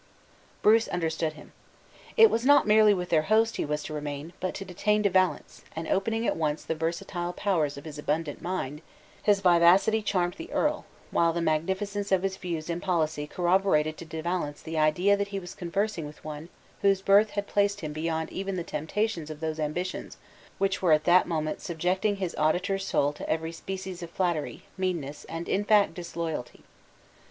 Bruce understood him. It was not merely with their host he was to remain, but to detain De Valence, and, opening at once the versatile powers of his abundant mind, his vivacity charmed the earl, while the magnificence of his views in policy corroborated to De Valence the idea that he was conversing with one whose birth had placed him beyond even the temptations of those ambitions which were at that moment subjecting his auditor's soul to every species of flattery, meanness, and, in fact, disloyalty.